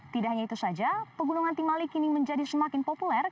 tidak hanya itu saja pegunungan timali kini menjadi semakin populer